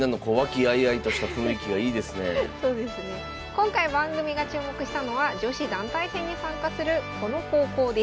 今回番組が注目したのは女子団体戦に参加するこの高校です。